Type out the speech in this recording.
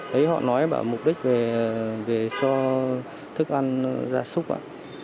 thấy họ nói bảo mục đích về cho thức ăn ra súc ạ